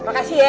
terima kasih ya